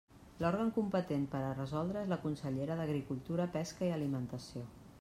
L'òrgan competent per a resoldre és la consellera d'Agricultura, Pesca i Alimentació.